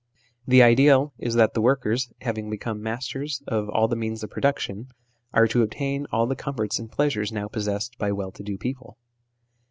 The ideal is that the workers, having become masters of all the means of production, are to obtain all the comforts and pleasures now possessed by well to do people.